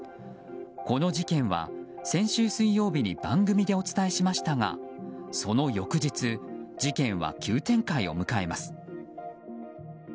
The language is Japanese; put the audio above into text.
この事件は、先週水曜日に番組でお伝えしましたがその翌日事件は急展開を迎えます。